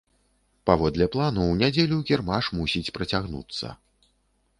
Паводле плану, у нядзелю кірмаш мусіць працягнуцца.